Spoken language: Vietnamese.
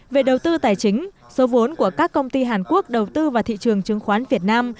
về đầu tư tài chính số vốn của các công ty hàn quốc đầu tư vào thị trường chứng khoán việt nam